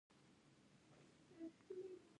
پښتو غږونه باید ثبت شي ترڅو تل پاتې شي.